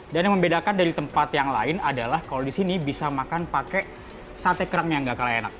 dan yang membedakan dari tempat yang lain adalah kalau di sini bisa makan pakai sate kerang yang nggak kalah enak